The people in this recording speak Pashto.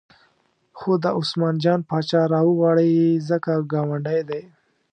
خو دا عثمان جان پاچا راوغواړئ ځکه ګاونډی دی.